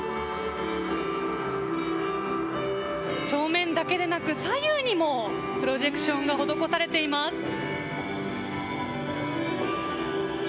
正面だけでなく左右にもプロジェクションが施されています。